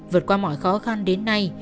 vượt qua mọi khó khăn đến nay